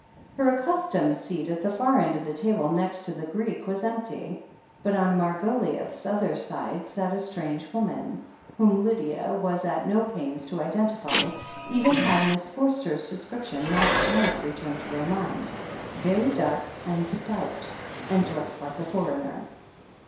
Her accustomed seat at the far end of the table, next to the Greek, was empty, but on Margoliouth's other side sat a strange woman, whom Lydia was at no pains to identify, even had Miss Forster's description not at once returned to her mind. "Very dark — ^and stout — and dressed like a foreigner."